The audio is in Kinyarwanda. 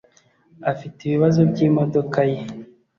afite ibibazo byimodoka ye